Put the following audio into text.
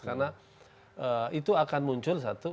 karena itu akan muncul satu